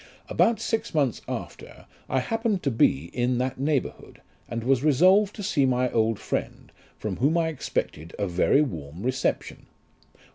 About six months after, I happened to be in that neighbourhood, and was resolved to see my old friend, from whom I expected a very warm reception.